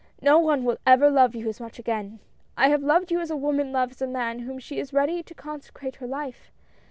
"No one will ever love you as much again. I have loved you as a woman loves the man to whom she is ready to consecrate her life.